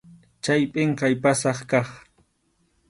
Chay pʼinqay pasay kaq.